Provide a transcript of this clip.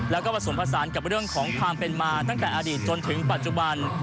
แล้วก็ผสมผสานกับเรื่องของความเป็นมาตั้งแต่อดีตจนถึงปัจจุบัน